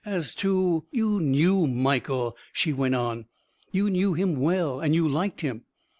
As to " "You knew Michael," she went on. "You knew him well and you liked him.